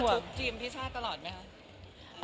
อยู่ในนั้นค่ะคุกจีมพิชาติตลอดไหมคะ